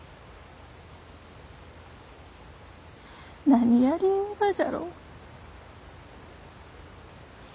何やりゆうがじゃろう。